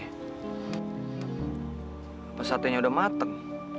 apa sate nya udah mateng